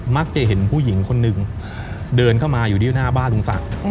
มักจะเห็นผู้หญิงคนหนึ่งเดินเข้ามาอยู่ที่หน้าบ้านลุงศักดิ์